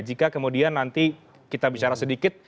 jika kemudian nanti kita bicara sedikit